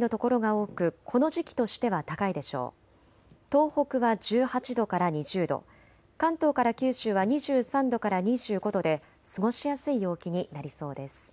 東北は１８度から２０度、関東から九州は２３度から２５度で過ごしやすい陽気になりそうです。